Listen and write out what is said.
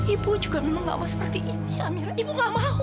ibu juga memang gak mau seperti ini amirah ibu nggak mau